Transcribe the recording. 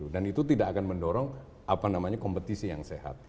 dan itu tidak akan mendorong kompetisi yang sehat